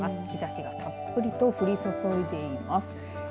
日ざしがたっぷりと降り注いでいます。